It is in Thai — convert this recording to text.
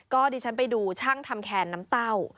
ก็ดิฉันไปดูช่างทำแคนน้ำเต้า